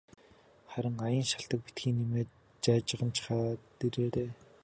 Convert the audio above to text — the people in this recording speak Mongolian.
Харин аян шалтаг битгий нэмээд жайжганачхаад ирээрэй.